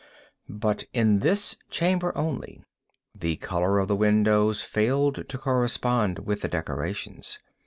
But in this chamber only, the color of the windows failed to correspond with the decorations.